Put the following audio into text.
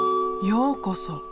ようこそ！